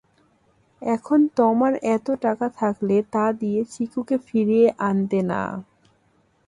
এখন তমার এতো টাকা থাকলে, তা দিয়ে চিকুকে ফিরিয়ে আনতে না?